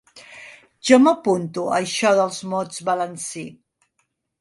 Jo m'apunto a això dels mots balancí.